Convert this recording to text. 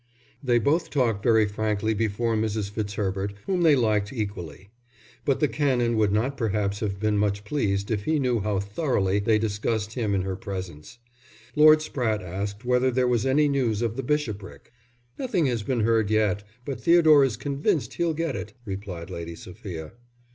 They both talked very frankly before Mrs. Fitzherbert, whom they liked equally; but the Canon would not perhaps have been much pleased if he knew how thoroughly they discussed him in her presence. Lord Spratte asked whether there was any news of the bishopric. "Nothing has been heard yet, but Theodore is convinced he'll get it," replied Lady Sophia.